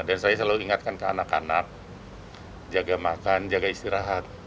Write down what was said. saya selalu ingatkan ke anak anak jaga makan jaga istirahat